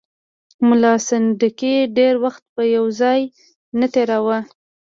ملا سنډکي ډېر وخت په یو ځای نه تېراوه.